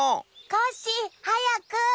コッシーはやく！